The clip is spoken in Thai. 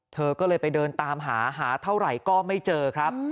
เธอก็เลยไปเดินตามหาหาเท่าไหร่ก็ไม่เจอครับ